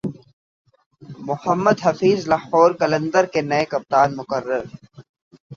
محمد حفیظ لاہور قلندرز کے نئے کپتان مقرر